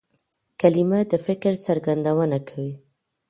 کلیمه د فکر څرګندونه کوي.